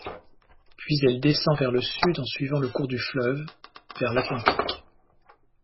Puis elle descend vers le sud en suivant le cours du fleuve, vers l'Atlantique.